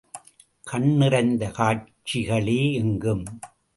கண் நிறைந்த காட்சிகளே எங்கும்.